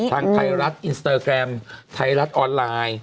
ทางไทยรัฐอินสตาแกรมไทยรัฐออนไลน์